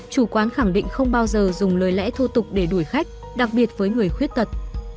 chủ quán khẳng định không bao giờ dùng lời lẽ thô tục để đuổi khách đặc biệt với người khuyết tật